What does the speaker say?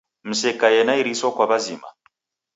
Msekaie na iriso kwa w'azima